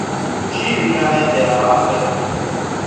She retired thereafter.